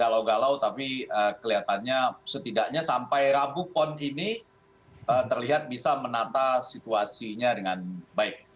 galau galau tapi kelihatannya setidaknya sampai rabu pon ini terlihat bisa menata situasinya dengan baik